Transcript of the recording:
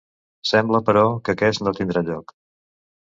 Sembla, però, que aquesta no tindrà lloc.